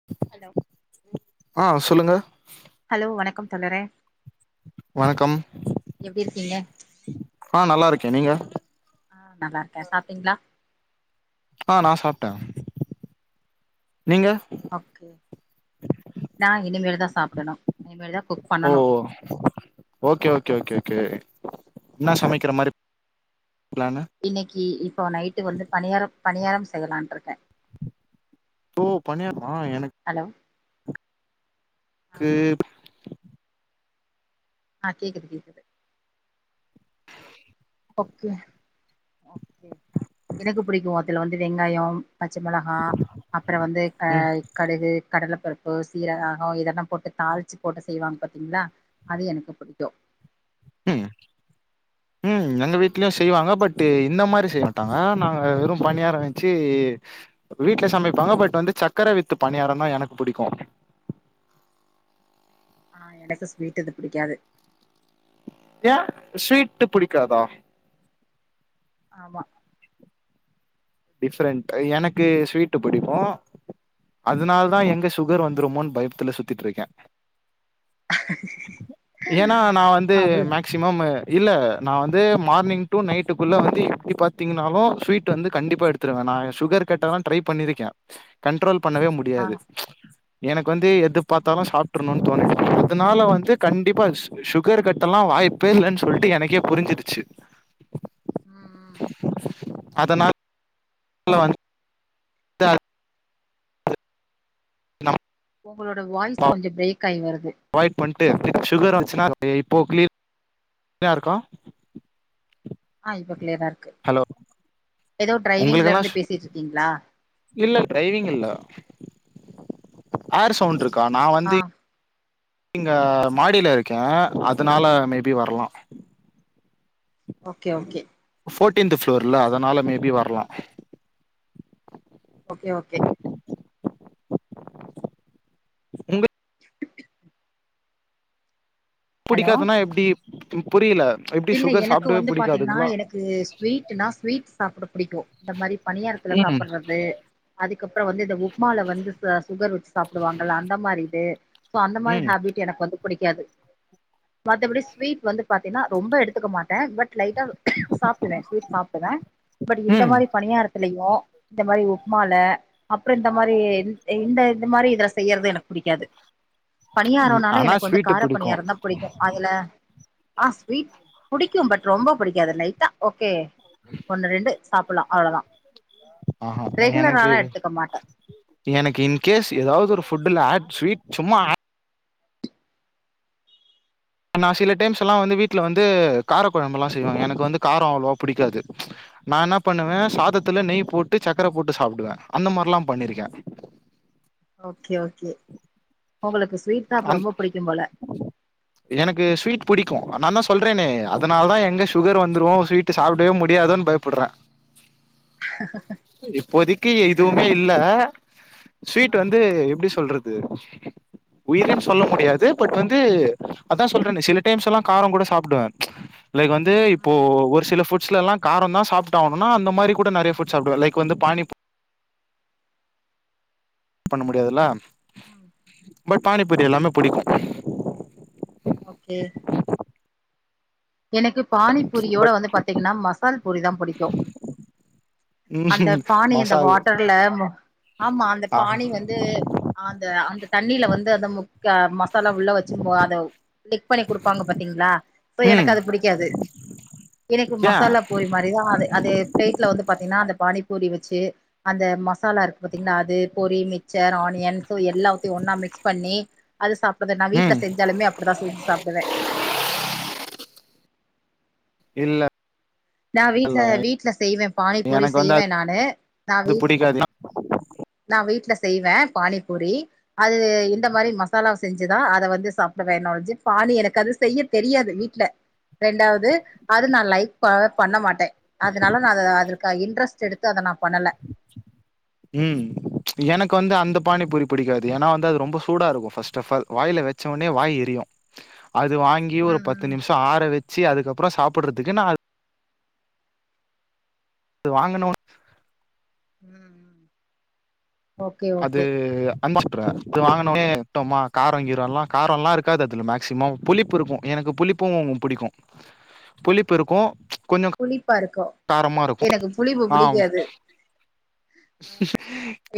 [inaudible] Hello ஆ சொல்லுங்க hello வணக்கம் தோழரே வணக்கம் எப்டி இருக்கீங்க ஆ நல்லா இருக்கே நீங்க ஆ நல்லாருக்கே சாப்டீங்ளா ஆ நா சாப்ட்டே நீங்க ஓகே நா இனிமேல் தா சாப்டணு இனிமேல் தா குக் ஓ பண்ணணு ஓகே ஓகே ஓகே ஓகே இன்னா சமைக்கிற மாரி பிளானு இன்னைக்கு இப்போ நைட்டு வந்து பணியாரம் பணியாரம் செய்யலான்ட்ருக்கே ஓ பனியாரமா என ஹலோ ஆமா க்கு ஆ கேக்குது கேக்குது ஓகே எனக்கு பிடிக்கு அதுல வந்து வெங்காயம் பச்ச மொளகா அப்புறோ வந்து ஆ ம் கடுகு கடலப்பருப்பு சீர ஆகொ இதெல்லா போட்டு தாளிச்சு போட்டு செய்வாங்க பாத்தீங்களா அது எனக்கு பிடிக்கு ம் [inaudible] ம் எங்க வீட்லயு செய்வாங்க பட் இந்த மாரி செய்ய மாட்டாங்க நாங்க வெறு பணியார வெச்சு வீட்ல சமைப்பாங்க பட் வந்து சக்கர வித்து பணியார தா எனக்கு புடிக்கு ஆ எனக்கு ஸ்வீட் இது புடிக்காது ஏ ஸ்வீட்டு புடிக்காதா ஆமா டிஃப்ரெண்ட் எனக்கு ஸ்வீட்டு புடிக்கு அதனால் தா ஆ எங்க சுகர் வந்துருமோன்னு பயத்துல சுத்திட்டு இருக்கே ஏன்னா நா வந்து அவளு மேக் சிமம்மு இல்ல நா வந்து மார்னிங் டு நைட்டுக்குள்ள வந்து எப்டி பாத்தீங்கனாலு ஸ்வீட் வந்து கண்டிப்பா எடுத்துடுவே நா சுகர் கட்டல்லா ட்ரை பண்ணிருக்கே கண்ட்ரோல் பண்ணவே ஆ முடியாது எனக்கு வந்து எது ம் பாத்தாலு ம் சாப்ட்டுர்ணுனு தோணுது இதுனால வந்து கண்டிப்பா ஷு ஷுகர் கட்ட எல்லா வாய்ப்பே இல்லன்னு சொல்ட்டு எனக்கே புரிஞ்சிருச்சு ம் ம் அதனால் ல வந் தா நம் உங்களோட வாய்ஸ் கொஞ்ச பிரேக் ஆய் வருது அவாய்ட் பண்ட்டு இப் ஷுகர் வந்ச்சுனா இப்போ கிளீ ரா இருக்கா ஆ இப்போ கிளீயரா இருக்கு ஹலோ ஏதோ ட்ரைவிங்ல உங்களுக்கெல்லா இருந்து பேசிட்ருக்கீங்களா இல்ல ட்ரைவிங் இல்ல ஏர் சவுண்ட் இருக்கா நா ஆ வந்து இங்க ஆமா மாடியில இருக்கே அதுனால மேபி வரலா ஓகே ஓகே ஃபோர்டீன்த்து ஃப்ளோர்ல அதனால மேபி வரலா ஓகே ஓகே உங்க ஹலோ புடிக்காதுன்னா எப்டி புரியில இல்ல எனக்கு வந்து பாத்தீங்கன்னா எனக்கு ஸ்வீட்னா ஸ்வீட் சாப்ட புடிக்கு இந்த மாரி பணியாரத்துல ம் சாப்புட்றது அதுக்கப்புறோ வந்து இந்த உப்மால வந்து ச சுகர் வச்சு சாப்டுவாங்கள அந்த மாரி இது சோ அந்த மாரி ம் ஹேபிட் எனக்கு வந்து புடிக்காது மத்தபடி ஸ்வீட் வந்து பாத்தீன்னா ரொம்ப எடுத்துக்க மாட்டே பட் லைட்டா சாப்டுவே ஸ்வீட் சாப்டுவே பட் இந்த ம் மாரி பணியார துலையு இந்த மாரி உப்மால அப்புற இந்த மாரி இந் இந்த இந்த மாரி இதுல செய்யறது எனக்கு புடிக்காது ம். பணியாரோனாலே ஆனா எனக்கு வந்து ஸ்வீட்டு கார புடிக்கு பணியாரந்தா புடிக்கு அதுல ஆ ஸ்வீட் புடிக்கு பட் ரொம்ப புடிக்காது லைட்டா ஓகே ஒண்ணு ரெண்டு சாப்புலா அவ்ளதா ஆஹா எனக்கு ரெகுலராலா எடுத்துக்க மாட்டே எனக்கு இன் கேஸ் எதாவது ஒரு ஃபுட்டுல ஆட் ஸ்வீட் சும்மா நா சில டைம்ஸ் எல்லா வந்து வீட்ல வந்து கார கொழம்பு எல்லா செய்வாங்க எனக்கு வந்து காரோ அவ்ளோவா புடிக்காது நா என்ன பண்ணுவ ம் சாதத்துல நெய் போட்டு சர்க்கர போட்டு சாப்டுவ அந்த மார்லா பண்ணிருக்க ஓகே ஓகே உங்களுக்கு ஸ்வீட் நா அப்ப அந் ரொம்ப புடிக்கும் போல எனக்கு ஸ்வீட் புடிக்கு நா தா சொல்றேனே அதனால தா எங்க சுகர் வந்துரு ஸ்வீட் சாப்டவே முடியாதோ பய ப்புற இப்போதிக்கி எதுவுமே இல்ல ஸ்வீட் ஓகே வந்து எப்டி சொல்றது உயிருன்னு சொல்ல முடியாது பட் வந்து அதா சொல்றன்னே சில டைம்ஸ்லா கார கூட சாப்டுவ லைக் வந் து இப்போ ம் ஒரு சில ஃபுட்ஸ்லலா காரந்தா சாப்டாவுனுனா அந்த மாரி கூட நெறைய ஃபுட்ஸ் சாப்டுவ லைக் வந்து பானி பண்ண முடியாதுல்ல ஆ பட் பானிப்பூரி எல்லாமே புடிக்கு ஓகே எனக்கு பானிபூரியோட பட் வந்து பாத்தீங்கன்னா மசால் பூரிதா புடிக்கு அந்த ம் பானி அந்த மசால் வாட்டர்ல மு ஆமா அந்த ஆஹா பானி வந்து அந்த அந்த தண்ணியில வந்து அந்த முக்க மசாலா உள்ள வச்சு மு அத டிப் பண்ணி குடுப்பாங்க பாத்தீங்ளா சோ ம் எனக்கு அது புடிக்காது எனக்கு ஏ மசாலா பூரி மாரிதா அது அது பிளேட்ல வந்து பாத்தீங்னா அந்த பானி பூரி வச்சி அந்த மசாலா இருக்கு பார்த்தீங்னா அது பொரி மிச்சர் ஆனியன் சோ எல்லாத்தையு ஒன்னா மிக்ஸ் பண்ணி அது சாப்பட்றது நா வீட்ல ம் செஞ்சாலுமே அப்டிதா செஞ்சு சாப்டுவ இல்ல நா வீட்ல இல்ல வீட்ல செய்வ பானிபூரி எனக்கு வந்து செய்வ நானு நா அது வீட் புடிக்காது நா வீட்ல செய்வ பானிபூரி அது இந்த மாரி மசாலா செஞ்சுதா அத வந்து சாப்டுவ நாஞ்சு பானி எனக்கு அது செய்ய தெரியாது வீட்ல ரெண்டாவது அது நா லைக் ப பண்ண மாட்ட அதனால நா அத அதுற்கா இன்ட்ரெஸ்ட் எடுத்து அத நா பண்ணல ம் எனக்கு வந்து அந்த பானிபூரி புடிக்காது ஏனா அது ரொம்ப சூடா இருக்கோ ஃபஸ்ட் ஆஃப் ஃபால் வாய்ல வச்ச ஒன்னே வாய் எரியு அது வாங்கி ஒரு ம் பத்து ம் நிம்ஷோ ஆற வச்சி அதுக்கப்புறோ சாப்புட்றதுக்கு நா அ து வாங்கணோன் ம் ம் ஓகே அது ஓகே அன்பா சுத்துற இது வாங்கனோனே இப்ப ம காரோ கீரோல்லா கரோல்லா இருக்காது அதுல மேக்சிமம் புளிப்பு இருக்கோ எனக்கு புளிப் பு புடிக்கு புளிப்பு இருக்கு கொஞ்சோ புளிப்பா இருக்கு காரமா இருக்கு எனக்கு புளிப்பு ஆ புடிக்காது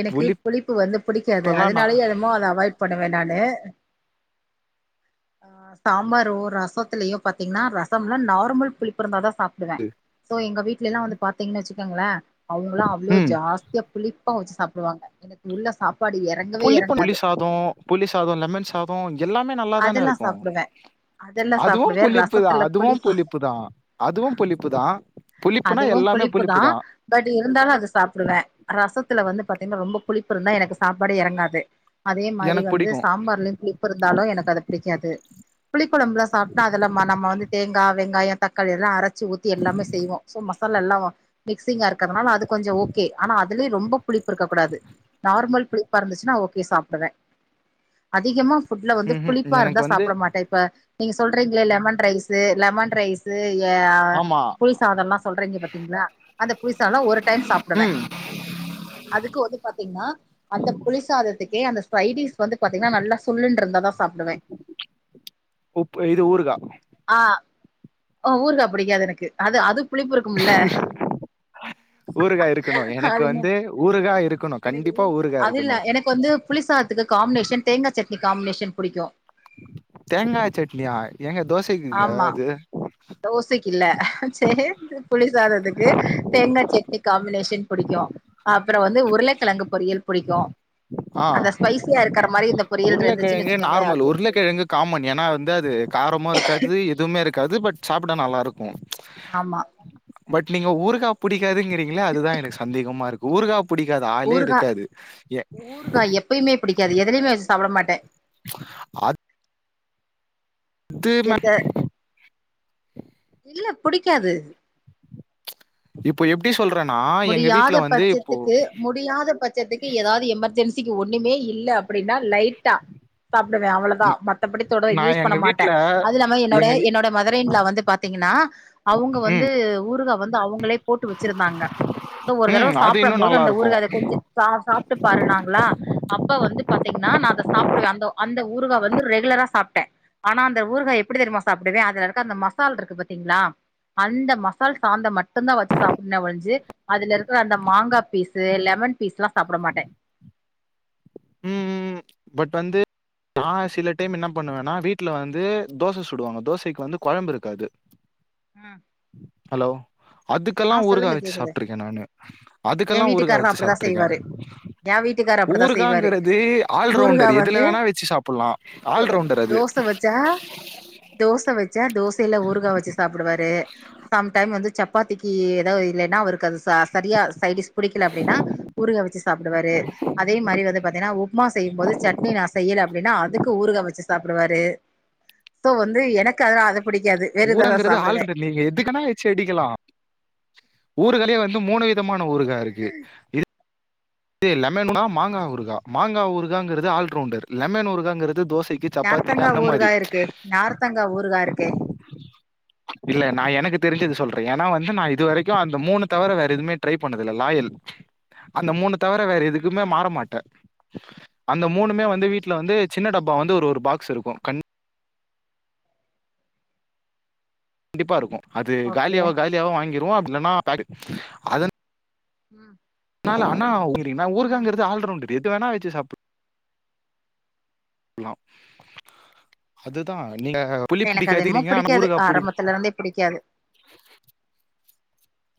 எனக்கு புளிப் புளிப்பு வந்து புடிக்காது அதனாலயே என்னமோ அத அவாய்ட் பண்ணுவ நானு ஆ சாம்பாரோ ரசத்துலயோ பாத்தீங்ன்னா ரசம்லா நார்மல் புளிப்பு இருந்தா தா சாப் டுவ சோ எங்க வீட்லல்லா வந்து பாத்தீங்ன் வச்சுக்கங்கள அவுங்களா அவ்ளோ ம் ஜாஸ் தியா புளிப்பா வச்சு சாப்டுவாங்க எனக்கு உள்ள சாப்பாடு எற புளி சாதோ புளி சாதோ லெமன் சாதோ எல்லாமே நல்லா தான அதெல்லா இருக்கோ சாப்டுவே அதெல்லா அதுவு சாப்டுவே புளிப்பு தா ரசத்துல அதுவு புளிப்பு புளிப்புதா அதுவு புளிப்புதா புளிப்புனா அதுவு எல்லாமே புளிப்பு தா புளிப்புதா பட் இருந்தாலு அது சாப்டுவ ரசத்துல வந்து பாத்தீங்கன்னா ரொம்ப புளிப்பு இருந்தா எனக்கு சாப்பாடே எறங்காது அதே மாறி எனக்கு வந்து புடிக்கு சாம்பார்லயு புளிப்பு இருந்தாலோ எனக் கு அது புடிக்காது புளிக்கொழம்புல சாப்டா அதுல மனம் நம்ம வந்து தேங்கா வெங்காயோ தக்காளி எல்லா அரச் சி ஊத்தி எல்லாமே செய்வோ சோ ம சாலா எல்லாவு மிக்சிங்கா இருக்கறதுனால அது கொஞ்சோ ஓகே ஆனா அதுலயு ரொம்ப புளிப்பு இருக்க கூடாது நார்மல் புளிப்பா இருந்துச்சுன்னா ஓகே சாப்டுவே அதிகமா ஃபுட்ல வந்து ம் புளிப்பா ம் எனக்கு இருந்தா வந்து சாப்ட மாட் ட இப்ப நீங்க சொல்றீங்ளே லெமன் ரைஸ்சு லெமன் ரைஸ்சு எ ஆ ஆமா புய் சாதோல்லா சொல்றீங்க பாத்தீங்ளா அந்த புளிசாதோல்லா ஒரு டைம் சாப்டுவ ம் அதுக்கும் வந்து பாத்தீங்ன்னா அந்த புளிசாதத்துக்கே அந்த சைடிஸ் வந்து பாத்தீங்ன்னா நல்லா சுல்லுனுயிருந்தாலு உப் இது ஊறுகா ஆ ஓ ஊறுகா புடிக்காது எனக்கு அது அதுவு புளிப்பு இருக்கும்ல்ல ஊறுகா இருக்கனோ எனக்கு வந்து ஊறுகா இருக்கனோ கண்டிப்பா ஊறுகா இருக்கனோ இப்ப வந்து புளிசாத்துக்கு காம்பினேஷன் தேங்கா சட்னி காம்பினேஷன் புடிக்கு தேங்கா சட்னியா ஏங்க தோசைக்குங்க அது தோசைக்கு இல்ல சேந்து புளிசாதத்துக்கு தேங்கா சட்னி காம்பினேஷன் புடிக்கு அப்புற வந்து உருளக்கெழங்கு பொரியல் புடிக்கு ஆ அந்த ஸ்பைசியா இருக் கற மாறி இந்த பொரியல் இருந்துச்சின் உருளைக்கிழங்கு வச்சி நார்மல் உருளைக்கிழங்கு காமன் ஏன்னா வந்து அது காரமோ இருக்காது எதுவுமே இருக்காது பட் சாப்ட நல்லா இருக்கும் ஆமா பட் நீங்க ஊறுகா புடிக்காதுங்றீங்களே அதுதா எனக்கு சந்தேகமா இருக்கு ஊறுகா புடிக்காத ஆளே ஊறுகா இருக்காது ஏ [unintelligible] சாப்ட மாட்டே அத் மே எந்த இல்ல புடிக்காது இப்ப எப்டி சொல்றன்னா முடியாத பட்சத்துக்கு முடியாத பட்சத்துக்கு ஏதாவது எமர்ஜென்சிக்கு ஒண்ணுமே இல்ல அப்டின்னா லைட்டா சாப்புடுவே அவ்ளதா மத்தபடி தொட நா யூஸ் பண்ண எங்க மாட்டே வீட்ல அதுல்லாம என்னோட எங்க வீ என்னோட மதர்ன்லா வந்து பாத்தீங்கன்னா அவுங்க வந்து ம் ஊறுகா வந்து அவுங்களே போட்டு வச்சிருந்தாங்க சோ ஒரு தடவ ம் அது சாப்பட இன்னு போது நல்லா அந்த இருக்கு ஊறுகா அத கொஞ்சோ சாப்ட்டு பாருன்னாங்களா அப்ப வந்து பாத்தீங்கன்னா நா அத சாப்புடுவே அந்த அந்த ஊறுகா வந்து ரெகுலரா சாப்ட்டே ஆனா அந்த ஊறுகாய எப்டி தெரியுமா சாப்புடுவே அதுல இருக்கற அந்த மசால் இருக்கு பாத்தீங்களா அந்த மசால் சாந்த மட்டும்தா வச்சு சாப்புடுவனே ஒழிஞ்சு அதுல இருக்குற அந்த மாங்கா பீஸ்சு லெமன் பீஸ்ல்லா சாப்புட மாட்டே ம் ம் ம் பட் வந்து நா சில டைம் என்ன பண்ணுவேன்னா வீட்ல வந்து தோச சுடுவாங்க தோசைக்கு வந்து கொழம்பு இருக்காது ம் ஹலோ அதுக்கெல்லா ஊறுகா சொல்லுங்க வச்சு கேக்குது சாப்ட்ருக்கே நானு எ அதுக்கெல்லா ஊறுகா வீட்டுக்காரரு வச்சு அப்டிதா சாப்ட்ருக்கே செய்வாரு ஏ வீட்டுக்காரு அப்டிதா ஊறுக் செய்வாரு காங்கிறது ஊறுகா ஆல்ரவுண்டர் வந்து எதுல வேணா வச்சு சாப்புல்லா ஆல்ரவுண்டர் அது தோச வச்சா தோச வச்சா தோசைல ஊறுகா வச்சு சாப்புடுவாரு சம் டைம் வந்து சப்பாத்திக்கு ஏதாவது இல்லைன்னா அவருக்கு அது ச சரியா சைடிஸ் புடிக்கல அப்டின்னா ஊறுகா வச்சு சாப்புடுவாரு அதே மாறி வந்து பாத்தீங்கன்னா உப்புமா செய்யும்போது சட்னி நா செய்யல அப்டின்னா அதுக்கு ஊறுகா வச்சு சாப்டுவாரு சோ வந்து எனக்கு அதல்லா அத புடிக்காது வேற எதாதா சாப்டுவ லீங்க எதுக்கனா செடிக்கலா ஊறுகாலேயே வந்து மூணு விதமான ஊறுகா இருக்கு இது லெமன் னா மாங்கா ஊருகா மாங்கா ஊருகாங்கிறது ஆல்ரவுண்டர் லெமன் ஊறுகாங்கிறது தோசைக் நார்த்தங்கா ஊறுகா இருக்கு நார்த்தங்கா ஊறுகா இருக்கு இல்ல நா எனக்கு தெரிஞ்சது சொல்ற ஏன்னா வந்து நா இது வரைக்கு அந்த மூணு தவர வேற எதுமே ட்ரை பண்ணதுல்ல லாயல் அந்த மூணு தவிர வேற எதுக்குமே மாற மாட்ட அந்த மூணுமே வந்து வீட்ல வந்து சின்ன டப்பா வந்து ஒரு ஒரு பாக்ஸ் இருக்கு கண் கண்டிப்பா இருக்கும் அது ஓகே காலியாவ காலியாவ வாங்கிருவோ அப்டி இல்லனா பேக் அதன் ம் நால அணா ஊறு ம் காங்கறது ஆல்ரவுண்டர் எது வேணா வச்சு சாப்டு லா அதுதா நீங்க புளிப்பு எனக்கு அது என்னமோ பிடிக்காதுங்கிறீங்க ஆனா புடிக்காது ஊறுகா புடிக்கு ஆரம்பத்துல இருந்தே புடிக்காது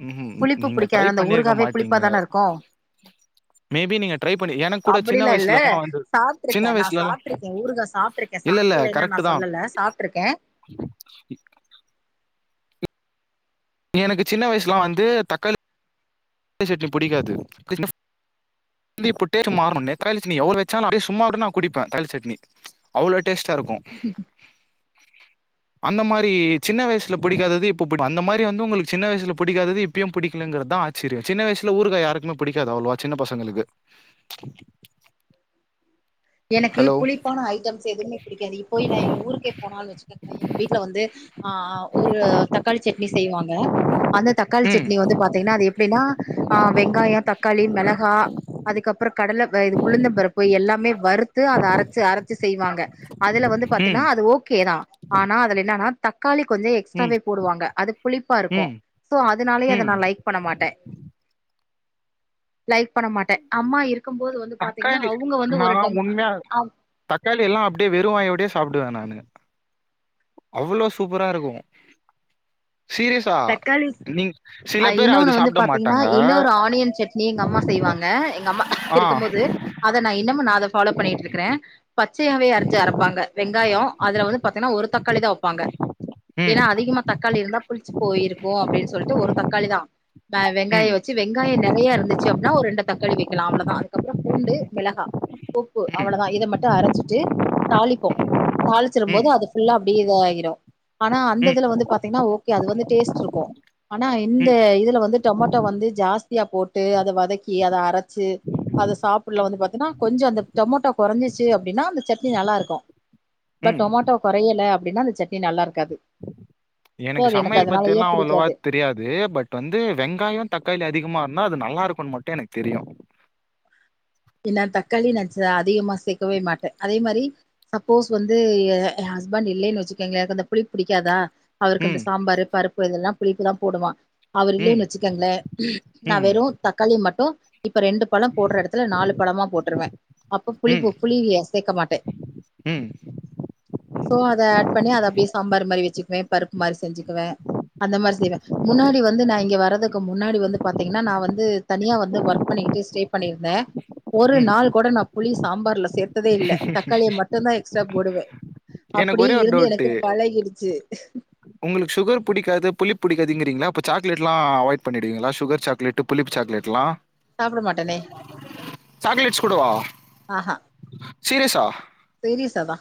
ம்ஹூம் புளிப்பு நீங்க ட்ரை புடிக்காது அந்த ஊறு பண்ணிருக்க காவே மாட்டீங்க புளிப்பாதான இருக்கோ மேபி நீங்க ட்ரை பண்ணி எனக்கு கூட சின்ன அப்டிலா இல்ல வயசுலலா வந்து சின்ன சாப்ட்ருக்க நா வயசுலலா சாப்ட்ருக்க ஊறுகா சாப்ட்ருக் இல்ல இல்ல சாப்பலைன்னா நா கரெக்ட் தா சொல்லல சாப்ட்ருக்கே எனக்கு சின்ன வயசுலா வந்து தக்காளி சட்னி புடிக்காது கிஸ்மிஸ் வந்து இப்போ டேஸ்ட் மாறுனு [inaudible] ச்னி எவ்ளோ வச்சாலு அப்டியே சும்மா கூட நா குடிப்ப தக்ளி சட்னி அவ்ளோடேஸ்ட்டா இருக்கு [inaudible] அந்த மாரி சின்ன வயசுல புடிக்காதது இப்ப புடிக்கு அந்த மாரி வந்து உங்களுக்கு சின்ன வயசுல புடிக்காதது இப் இப்யு புடிக்கலங்கறதுதா ஆச்சரியோ சின்ன வயசுல ஊறுகா யாருக்குமே புடிக்காது அவ்ளோவா சின்ன பசங்களுக்கு எனக்கு ஹலோ புளிப்பான ஐட்டம்ஸ் எதுமே புடிக்காது இபோய் நா எங்க ஊருக்கே போனாலனு வச்சுக்கங் எங்க வீட்ல வந்து ஆ ஒரு தக்காளி சட்னி செய்வாங்க அந்த தக்காளி ம் சட்னி வந்து பாத்தீங்கன்னா அது எப்டின்னா ஆ வெங்காயோ தக்காளி மெளகா அதுக்கப்றோ கடல வ இது உளுந்த பருப்பு எல்லாமே வறுத்து அத அரச்சு அரச்சு செய்வாங்க அதுல வந்து பாத்தீன்னா ம் அது ஓகேதா ஆனா அதுல என்னனா தக்காளி கொஞ்ச ம் எக்ஸ்ட்ராவே போடுவாங்க அது புளிப்பா இருக்கு ம் சோ அதனாலயே அத ம் நா லைக் பண்ண மாட்ட லைக் பண்ண மாட்ட அம்மா இருக்கும் போது வந்து பாத்தீங்க்னா தக்காளி அவங்க வந்து ஒரு நான் டம் உண்மையா தக்காளி எல்லா அப்டே வெறுவாயோடயே சாப்டுவ நானு அவ்ளோ சூப்பரா இருக்கு சீரியஸ் தக்காளி இன்னொன்னு அது வந்து சாப்ட பாத்தீங்க்னா மாட்டாங்க இன்னொரு ஆனியன் சட் னி எங்க அம்மா செய்வாங்க எங்க அம்மா ஆ இருக்கம்போது அத நா இன்னமும் நா அத ஃபாலோ பண்ணிட்ருக்கற பச்சையாவே அரிஞ்சு அரப்பாங்க வெங்காயோ அதுல வந்து பாத்தீங்கன்னா ஒரு தக்காளி தா வப்பாங்க ம் ஏன்னா அதிகமா தக்காளி இருந்தா புளிச்சு போயிருக்கு அப்டின் சொல்ட்டு ஒரு தக்காளி தா ந ம் வெங்காய வச்சு வெங்காய நெறைய இருந் சச்சு அப்ட்ன்னா ஒரு ரெண்டு தக்காளி வெக்கலா அவ்ளதா அதுப்புறோ பூண்டு மெளகா உப்பு ம் அவ்ளதா இத மட்டு அரச்சிட்டு தாளிப்போ ம் தாளிச்சிரும்போது அது ஃபுல்லா அப்டியே இத ஆயிரு ஆனா ம் அந்ததுல வந்து பாத்தீங்னா ஓகே அது வந்து டேஸ்ட் இருக்கும் ஆனா ம் இந்த ம் இதுல வந்து டொமேட்டோ வந்து ஜாஸ்தியா போட்டு அத வதக்கி அத அரச்சு அத சாப்பல்ல வந்து பாத்தீன்னா கொஞ்சோ அந்த டொமோட்டோ கொறஞ்சிச்சு அப்டின்னா அந்த சட்னி நல்லா இருக்கு பட் ம் டொமாட்டோ கொறையல அப்டின்னா அந்த சட்னி நல்லா இருக்காது சோ எனக்கு அது சமையல் பத்தி அதனாலயே எல்லா அவ்வளவா புடிக்காது தெரியாது பட் வந்து ம் ம் வெங்காயோ தக்காளி அதிகமா இருந்தா அது நல்லா இருக்கோனு மட்டு எனக்கு தெரியு ப்டி தக்காளி நா அதிகமா சேக்கவே மாட்டே அதே மாரி சப்போஸ் வந்து எ ஹஸ்பண்ட் இல்லைனு வெச்சுக்கோங்கலே எனக்கு இந்த புளிப் புடிக்காதா அவருக்கு இந்த ம், சாம்பாரு பருப்பு இதெல்லா புளிப்புதா போடுவா அவரு ம், இல்லேன்னு வெச்சுக்கோங்ளே நா ம், வெறு தக்காளி மட்டு இப்ப ரெண்டு பழோ போடுற எடத் நாலு பழமா போட்டுருவே அப்ப புளிப்பு ம், புளிய சேக்க மாட்டே ம், சோ அத ஆட் பண்ணி அத அப்டியே சாம்பார் மாரி வெச்சுக்குவே பருப் மாரி செஞ்சுக்குவே அந்த மாரி செய்வே முன்னாடி வந்து நா இங்க வர்றதுக்கு முன்னாடி வந்து பாத்தீங்க்னா நா வந்து தனியா வந்து ஒர்க் பண்ணிட்டு ஸ்டே பண்ணிர்ந்தே ஒரு ம். நாள் கூட நா புளி சாம்பார்ல சேத்ததே இல்ல தக்காளிய மட்டுந்தா எக்ஸ்ட்ரா போடுவே எனக்கு அப்டியே ஒரே ஒரு இருந்து எனக்கு பழகிடுச்சு உங்களுக் ஷுகர் புடிக்காது புளி புடிக்காதுங்கரீங்களே அப்ப சாக்லேட்லா அவாய்ட் பண்ணிடுவீங்களா சுகர் சாக்லேட்டு புளிப்பு சாக்லேட்லா சாப்ட மாட்டனே சாக்லேட்ஸ் கூடவா ஆஹா சீரியஸா சீரியஸாதா